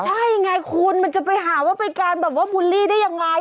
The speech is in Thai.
ใช่มันจะไปหาว่าไปการบุลลี่ได้ยังไง